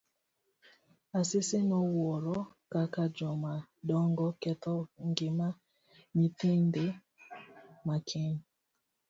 Asisi nowuoro kaka joma dongo ketho ngima nyihindi makiny.